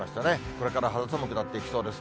これから肌寒くなっていきそうです。